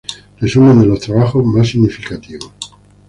Resumen de los trabajos más significativos